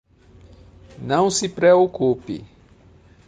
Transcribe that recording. Não se preocupe